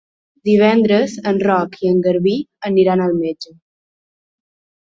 Divendres en Roc i en Garbí aniran al metge.